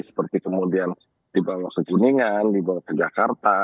seperti kemudian di bangsa kuningan di bangsa jakarta